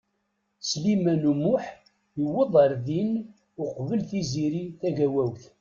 Sliman U Muḥ yewweḍ ar din uqbel Tiziri Tagawawt.